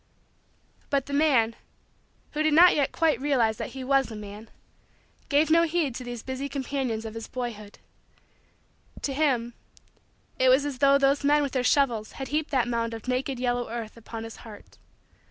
But the man, who did not yet quite realize that he was a man, gave no heed to these busy companions of his boyhood. To him, it was as though those men with their shovels had heaped that mound of naked, yellow, earth upon his heart.